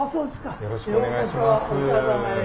よろしくお願いします。